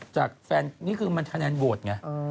จากแฟนนี่คือมันคะแนนโหวตไง